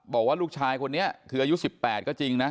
บอกว่าลูกชายคนนี้คืออายุ๑๘ก็จริงนะ